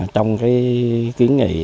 trong cái kiến nghị